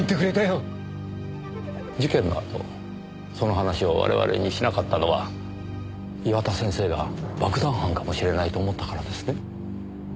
事件のあとその話を我々にしなかったのは岩田先生が爆弾犯かもしれないと思ったからですね？